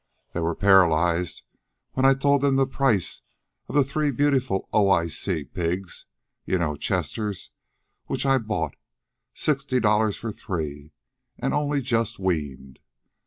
They were paralyzed when I told them the price of the three beautiful O.I.C.'s pigs, you know, Chesters which I bought, sixty dollars for the three, and only just weaned.